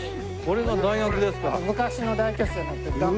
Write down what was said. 昔の大教室になって。